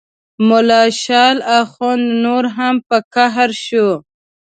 ملا شال اخند نور هم په قهر شو.